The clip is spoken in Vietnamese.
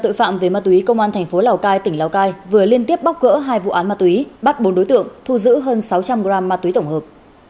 tội phạm về ma túy công an thành phố lào cai tỉnh lào cai vừa liên tiếp bóc gỡ hai vụ án ma túy bắt bốn đối tượng thu giữ hơn sáu trăm linh gram ma túy tổng hợp